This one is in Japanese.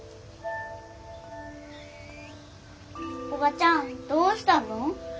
おばちゃんどうしたの？